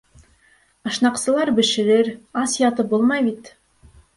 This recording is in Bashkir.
Ашнаҡсылар бешерер, ас ятып булмай бит.